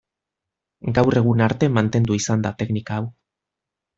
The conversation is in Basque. Gaur egun arte mantendu izan da teknika hau.